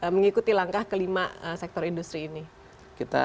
mengikuti langkah kelima sektor industri ini